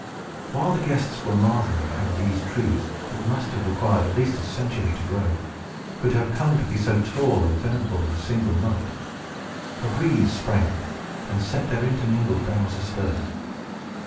While the guests were marveling how these trees, that must have required at least a century to grow, could have come to be so tall and venerable in a single night, a breeze sprang up, and set their intermingled boughs astir.